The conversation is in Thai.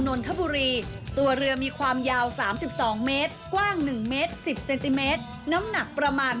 นทบุรีตัวเรือมีความยาวสามสิบสองเมตรกว้างหนึ่งเมตรสิบเซนติเมตรน้ำหนักประมาณ